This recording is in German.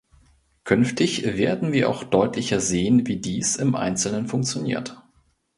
Künftig werden wir auch deutlicher sehen, wie dies im Einzelnen funktioniert.